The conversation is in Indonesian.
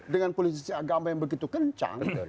dengan politisi agama yang begitu kencang